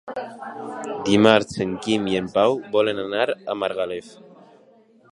Dimarts en Quim i en Pau volen anar a Margalef.